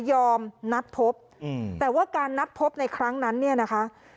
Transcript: นัดพบแต่ว่าการนัดพบในครั้งนั้นเนี่ยนะคะ